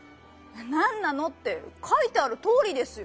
なんなの？ってかいてあるとおりですよ。